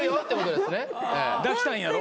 抱きたいんやろ？